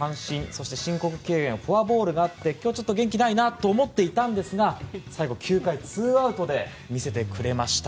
そして申告敬遠フォアボールがあって今日はちょっと元気ないなと思っていたんですが最後、９回ツーアウトで見せてくれました。